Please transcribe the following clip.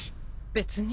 別に。